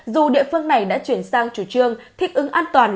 dù địa phương này đã chuyển sang chủ trương thích ứng an toàn